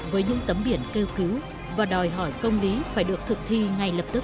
với những tấm biển kêu cứu và đòi hỏi công lý phải được thực thi ngay lập tức